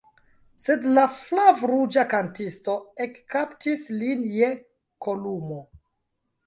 Sed la flavruĝa kantisto ekkaptis lin je kolumo.